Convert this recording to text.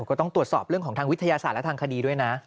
ก็ต้องตรวจสอบเรื่องของทางวิทยาศาสตร์และทางคดีด้วยนะ